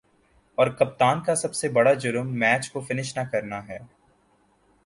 اور کپتان کا سب سے بڑا"جرم" میچ کو فنش نہ کرنا ہے ۔